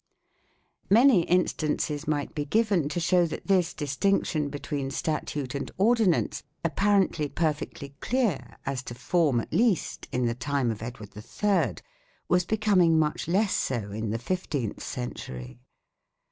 3 Many instances might be given to show that this distinction between statute and ordinance, apparently perfectly clear, as to form at least, in the time of Ed ward III, was becoming much less so in the fifteenth century.